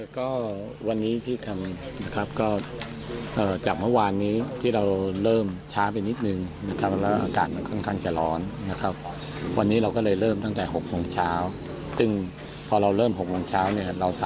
ก็วันนี้ที่ทำนะครับก็จากเมื่อวานนี้ที่เราเริ่มช้าไปนิดนึงนะครับแล้วอากาศมันค่อนข้างจะร้อนนะครับ